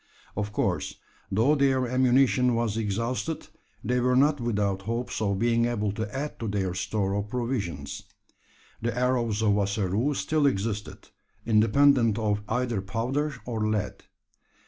Of course, though their ammunition was exhausted, they were not without hopes of being able to add to their store of provisions. The arrows of Ossaroo still existed, independent of either powder or lead.